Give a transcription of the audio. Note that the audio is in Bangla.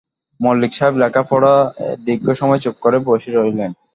মল্লিক সাহেব লেখা পড়ে দীর্ঘ সময় চুপ করে বসে রইলেন।